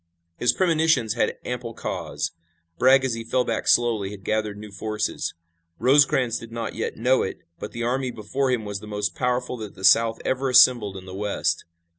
His premonitions had ample cause. Bragg as he fell back slowly had gathered new forces. Rosecrans did not yet know it, but the army before him was the most powerful that the South ever assembled in the West.